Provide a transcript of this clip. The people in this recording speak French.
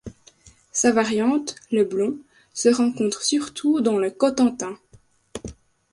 Sa variante, Le Blond, se rencontre surtout dans le Cotentin.